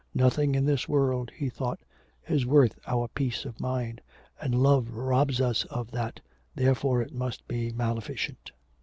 Nothing in this world, he thought, is worth our peace of mind, and love robs us of that, therefore it must be maleficent.